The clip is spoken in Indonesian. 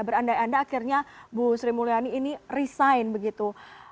berandai andai akhirnya ibu sri mulyani ini resign begitu